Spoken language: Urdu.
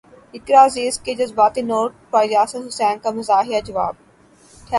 اقرا عزیز کے جذباتی نوٹ پر یاسر حسین کا مزاحیہ جواب